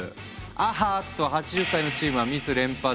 あっと８０歳のチームはミス連発！